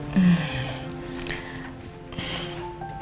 cemburu sama mbak felis